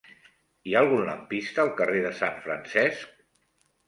Hi ha algun lampista al carrer de Sant Francesc?